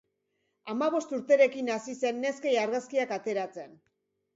Hamabost urterekin hasi zen neskei argazkiak ateratzen.